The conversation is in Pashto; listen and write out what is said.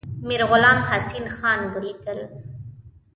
میرغلام حسین خان ولیکل.